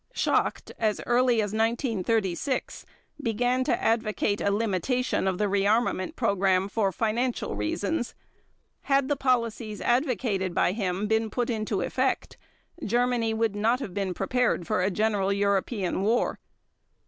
Schacht, as early as 1936, began to advocate a limitation of the rearmament program for financial reasons. Had the policies advocated by him been put into effect, Germany would not have been prepared for a general European war.